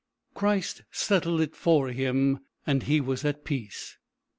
Christ settled it for him, and he was at peace.